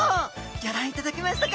ギョ覧いただけましたか？